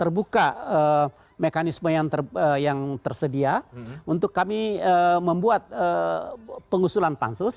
terbuka mekanisme yang tersedia untuk kami membuat pengusulan pansus